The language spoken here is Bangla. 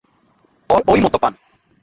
ওর ওই মদ্যপান।